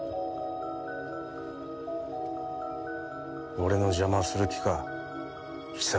俺の邪魔をする気か貴様。